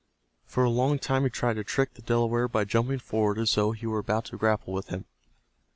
For a long time he tried to trick the Delaware by jumping forward as though he were about to grapple with him.